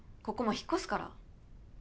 ここもう引っ越すから。